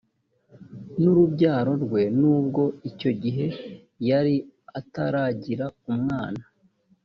n urubyaro rwe nubwo icyo gihe yari ataragira umwana